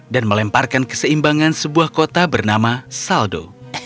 dan melemparkan keseimbangan sebuah kota bernama saldo